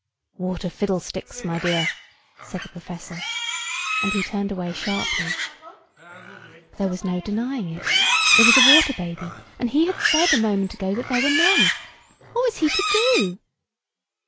"Water fiddlesticks, my dear!" said the professor; and he turned away sharply. There was no denying it. It was a water baby: and he had said a moment ago that there were none. What was he to do?